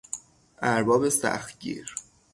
ارباب سختگیر